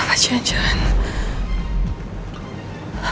apa janjan gue hamil